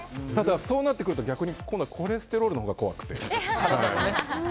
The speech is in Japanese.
そうなってくると今度はコレステロールのほうが怖くて。